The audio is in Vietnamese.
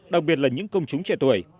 đặc biệt là những công chúng trẻ tuổi